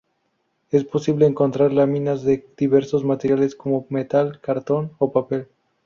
Es posible encontrar láminas de diversos materiales, como metal, cartón o papel.